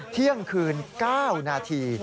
เที่ยงคืน๙นาที